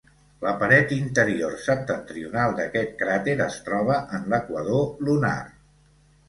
La paret interior septentrional d'aquest cràter es troba en l'equador lunar.